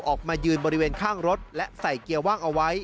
ออกมายืนบริเวณข้างรถและใส่เกียร์ว่างเอาไว้